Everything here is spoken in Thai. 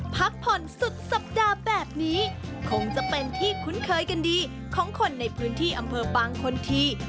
เป็นที่คุ้นเคยกันดีของคนในพื้นที่อำเภอบางคนที่